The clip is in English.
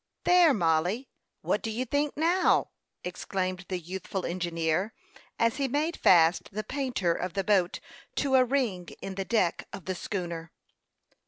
"There, Mollie, what do you think now!" exclaimed the youthful engineer, as he made fast the painter of the boat to a ring in the deck of the schooner.